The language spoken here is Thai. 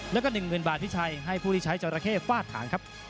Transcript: แล้วก็หนึ่งหมื่นบาทที่ใช้ให้ผู้ที่ใช้เจ้าระเข้ฟาดห่างครับ